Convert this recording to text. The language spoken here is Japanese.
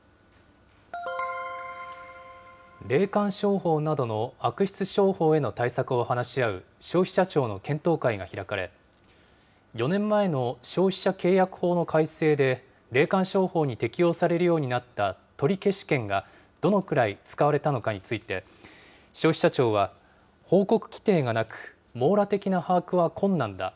霊感商法などの悪質商法への対策を話し合う消費者庁の検討会が開かれ、４年前の消費者契約法の改正で、霊感商法に適用されるようになった取消権がどのくらい使われたのかについて、消費者庁は報告規定がなく、網羅的な把握は困難だ。